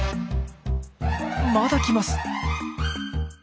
まだ来ます！